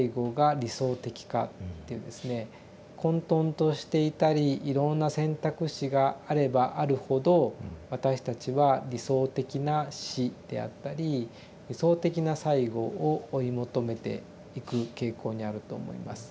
混とんとしていたりいろんな選択肢があればあるほど私たちは理想的な死であったり理想的な最期を追い求めていく傾向にあると思います。